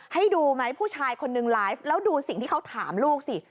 ให้ดูไหมผู้ชายคนนึงไลฟ์แล้วดูสิ่งที่เขาถามลูกสิ